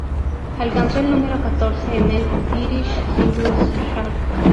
Alcanzó el número catorce en el Irish Singles Chart.